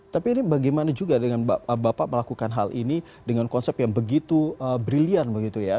tapi ini bagaimana juga dengan bapak melakukan hal ini dengan konsep yang begitu brilliant begitu ya